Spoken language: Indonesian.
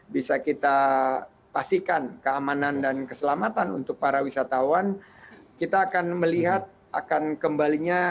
bisa kita pastikan keamanan dan keselamatan untuk para wisatawan kita akan melihat akan kembalinya